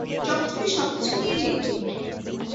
চকচকে সবকিছু নিয়ে নে।